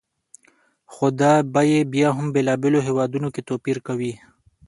خو دا بیې بیا هم بېلابېلو هېوادونو کې توپیر کوي.